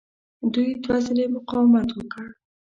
دوی دوه ځله مقاومت وکړ.